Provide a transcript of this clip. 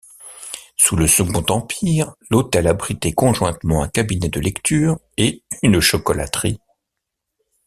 Sous le second empire, l'hôtel abritait conjointement un cabinet de lecture et une chocolaterie.